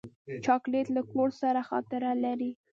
چاکلېټ له کور سره خاطره لري.